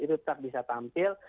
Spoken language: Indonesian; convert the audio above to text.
itu tetap bisa tampil